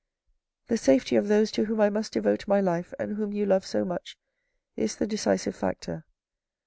The safety of those to whom I must devote my life, and whom you love so much, is the decisive factor.